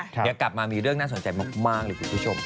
เดี๋ยวกลับมามีเรื่องน่าสนใจมากเลยคุณผู้ชม